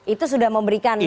itu sudah memberikan modal